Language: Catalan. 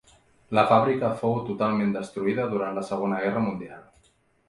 La fàbrica fou totalment destruïda durant la Segona Guerra Mundial.